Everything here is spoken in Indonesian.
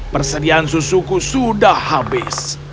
persediaan susuku sudah habis